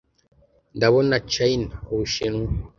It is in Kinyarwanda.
ndabona China (Ubushinwa)